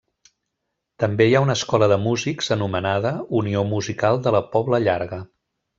També hi ha una escola de músics anomenada Unió Musical de La Pobla Llarga.